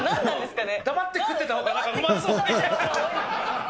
黙って食ってたほうがうまそうみたいな。